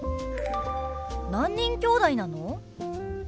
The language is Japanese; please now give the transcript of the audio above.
何人きょうだいなの？